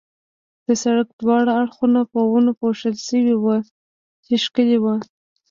د سړک دواړه اړخونه په ونو پوښل شوي ول، چې ښکلي ول.